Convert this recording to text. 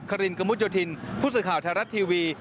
รินกระมุดโยธินผู้สื่อข่าวไทยรัฐทีวี